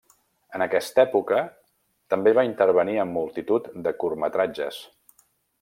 En aquesta època també va intervenir en multitud de curtmetratges.